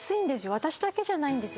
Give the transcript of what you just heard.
私だけじゃないんですよ